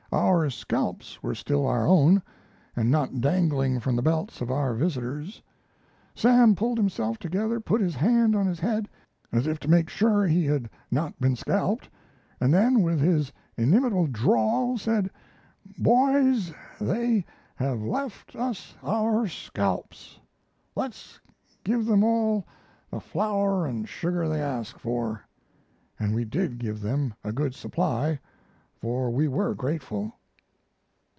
Our scalps were still our own, and not dangling from the belts of our visitors. Sam pulled himself together, put his hand on his head as if to make sure he had not been scalped, and then with his inimitable drawl said: "Boys, they have left us our scalps. Let's give them all the flour and sugar they ask for." And we did give them a good supply, for we were grateful.